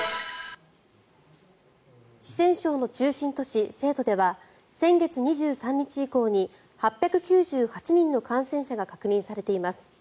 四川省の中心都市、成都では先月２３日以降に８９８人の感染者が確認されています。